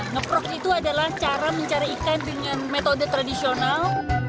ngeprok itu adalah cara mencari ikan dengan metode tradisional